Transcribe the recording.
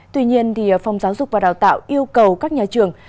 tuy nhiên phòng giáo dục và đào tạo yêu cầu các nhà trường